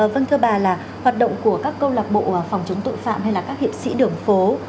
vâng thưa bà là hoạt động của các câu lạc bộ phòng chống tội phạm hay là các hiệp sĩ đường phố